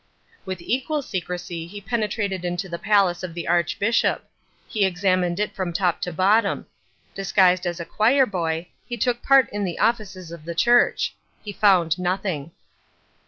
With equal secrecy he penetrated into the palace of the Archbishop. He examined it from top to bottom. Disguised as a choir boy he took part in the offices of the church. He found nothing.